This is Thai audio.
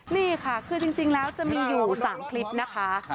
นี่ค่ะคือจริงแล้วจะมีอยู่๓คลิปนะคะ